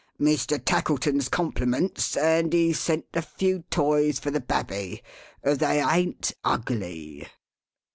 "Mr. Tackleton's compliments, and he's sent a few toys for the Babby. They ain't ugly."